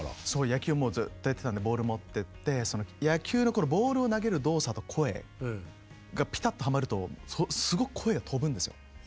野球をもうずっとやってたんでボール持ってってその野球のボールを投げる動作と声がピタッとはまるとすごく声が飛ぶんですよ。